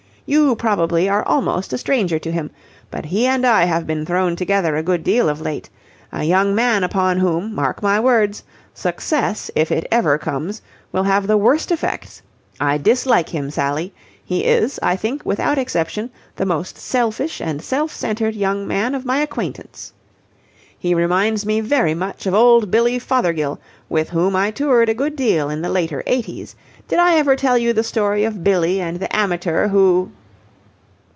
"You probably are almost a stranger to him, but he and I have been thrown together a good deal of late. A young man upon whom, mark my words, success, if it ever comes, will have the worst effects. I dislike him. Sally. He is, I think, without exception, the most selfish and self centred young man of my acquaintance. He reminds me very much of old Billy Fothergill, with whom I toured a good deal in the later eighties. Did I ever tell you the story of Billy and the amateur who...?"